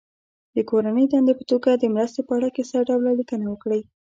د کورنۍ دندې په توګه د مرستې په اړه کیسه ډوله لیکنه وکړي.